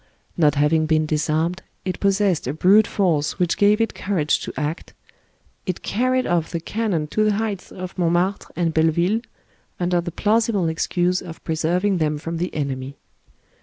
Not having been disarmed, it pos sessed a brute force which gave it courage to act ŌĆö it carried off the cannon to the heights of Montmartre and Belleville, under the plausible excuse of preserving them from the enemy.